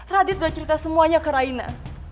radit udah cerita semuanya ke raina